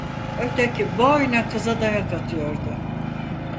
Öteki boyna kıza dayak atıyordu.